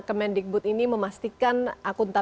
baik terima kasih mbak frida